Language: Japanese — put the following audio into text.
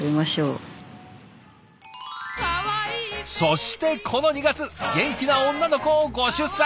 そしてこの２月元気な女の子をご出産。